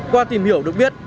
qua tìm hiểu được biết